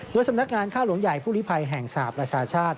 โดยสำนักงานค่าหลวงใหญ่ผู้ลิภัยแห่งสหประชาชาติ